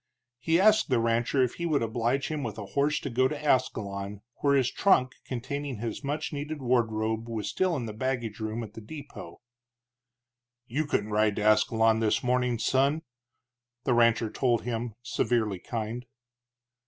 He asked the rancher if he would oblige him with a horse to go to Ascalon, where his trunk containing his much needed wardrobe was still in the baggage room at the depot. "You couldn't ride to Ascalon this morning, son," the rancher told him, severely kind.